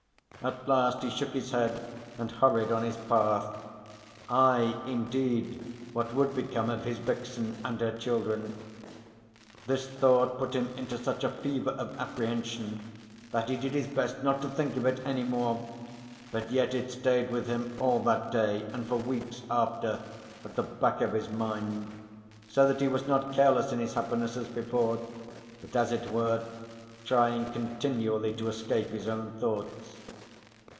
At last he shook his head and hurried on his path. Aye, indeed, what would become of his vixen and her children? This thought put him into such a fever of apprehension that he did his best not to think of it any more, but yet it stayed with him all that day and for weeks after, at the back of his mind, so that he was not careless in his happiness as before, but as it were trying continually to escape his own thoughts.